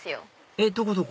えっどこ？